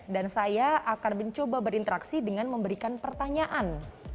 dan saya akan mencoba berinteraksi dengan memberikan pertanyaan